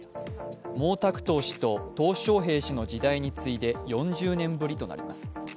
毛沢東氏とトウ小平の時代に次いで４０年ぶりとなります。